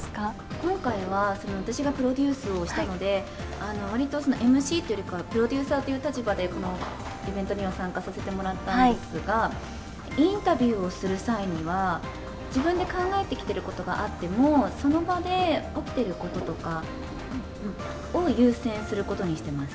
今回は、私がプロデュースをしたので、わりとＭＣというよりかは、プロデューサーという立場で、このイベントには参加させてもらったんですが、インタビューをする際には、自分で考えてきてることがあっても、その場で起きてることとかを優先することにしてます。